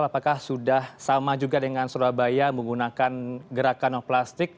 apakah sudah sama juga dengan surabaya menggunakan gerakan non plastik